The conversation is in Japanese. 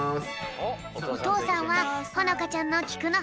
おとうさんはほのかちゃんのきくのはな